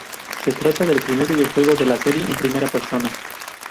Se trata del primer videojuego de la serie en primera persona.